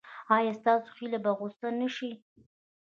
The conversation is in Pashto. ایا ستاسو هیله به غوڅه نشي؟